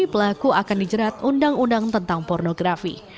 pelaku akan dijerat undang undang tentang pornografi